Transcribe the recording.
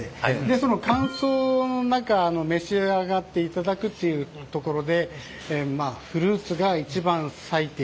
その乾燥の中召し上がっていただくっていうところでフルーツが一番最適。